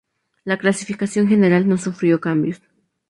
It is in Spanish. La clasificación general no sufrió cambios.